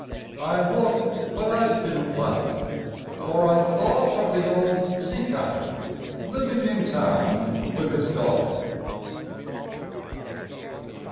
I looked, but I didn't laugh, For I thought of the old sea captain living in town with his daughter.